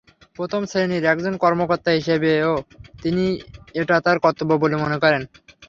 প্রথম শ্রেণির একজন কর্মকর্তা হিসেবেও তিনি এটা তাঁর কর্তব্য বলে মনে করেন।